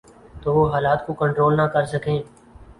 تو وہ حالات کو کنٹرول نہ کر سکیں۔